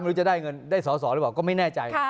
ไม่รู้จะได้เงินได้สอสอหรือเปล่าก็ไม่แน่ใจ